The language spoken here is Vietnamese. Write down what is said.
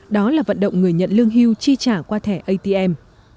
đó là vận động người nhận lương hưu chi trả qua thẻ atm